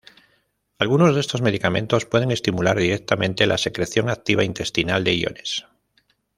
Algunos de estos medicamentos pueden estimular directamente la secreción activa intestinal de iones.